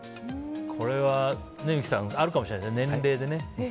これは、三木さんあるかもしれないですね、年齢で。